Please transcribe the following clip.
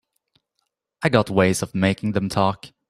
I got ways of making them talk.